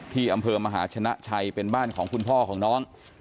ที่อำเภอมหาชนะชัยเป็นบ้านของคุณพ่อของน้อง